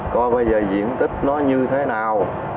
coi bây giờ diện tích nó như thế nào